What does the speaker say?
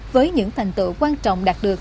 với những thành tựu quan trọng đạt được